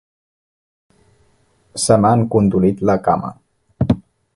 Se m'ha encondolit la cama.